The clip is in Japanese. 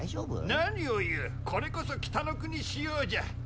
何を言うこれこそ北の国仕様じゃ。